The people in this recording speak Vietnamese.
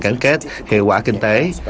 gắn kết hiệu quả kinh tế